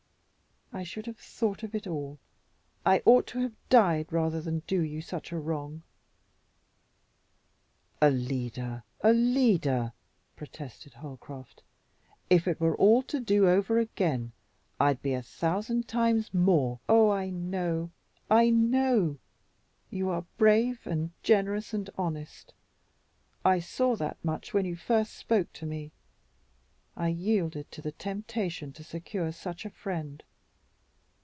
I should have thought of it all, I ought to have died rather than do you such a wrong." "Alida, Alida," protested Holcroft, "if it were all to do over again, I'd be a thousand times more " "Oh, I know, I know! You are brave and generous and honest. I saw that much when you first spoke to me. I yielded to the temptation to secure such a friend.